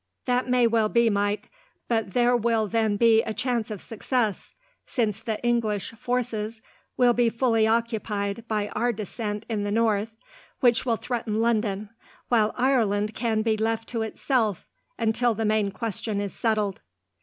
"That may well be, Mike; but there will then be a chance of success, since the English forces will be fully occupied by our descent in the north, which will threaten London, while Ireland can be left to itself until the main question is settled."